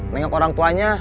nengok orang tuanya